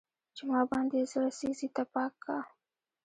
چې ما باندې يې زړه سيزي تپاک کا